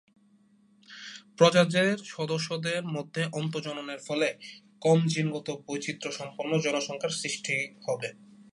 প্রজাতের সদস্যদের মধ্যে অন্তঃজননের ফলে কম জিনগত বৈচিত্র্য সম্পন্ন জনসংখ্যার সৃষ্টি হবে।